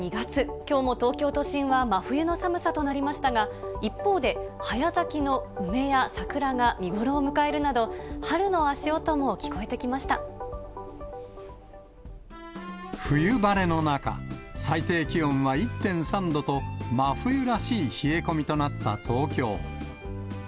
きょうも東京都心は真冬の寒さとなりましたが、一方で、早咲きの梅や桜が見頃を迎えるなど、冬晴れの中、最低気温は１．３度と、真冬らしい冷え込みとなった東京。